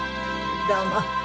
どうも。